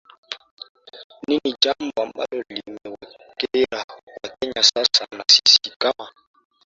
ni ni ni jambo ambalo limewakera wakenya sana na sisi kama